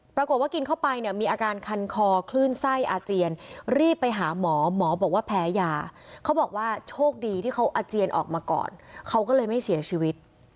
ปรากฏว่ากินเข้าไปเนี่ยมีอาการคันคอคลื่นไส้อาเจียนรีบไปหาหมอหมอบอกว่าแพ้ยาเขาบอกว่าโชคดีที่เขาอาเจียนออกมาก่อนเขาก็เลยไม่เสียชีวิต